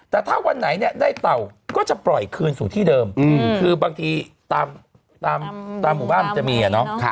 แต่ถ้าวันไหนเนี่ยได้เต่าก็จะปล่อยคืนสู่ที่เดิมคือบางทีตามหมู่บ้านจะมี